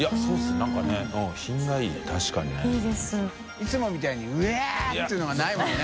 い弔發澆燭い「うわっ！」っていうのがないもんね。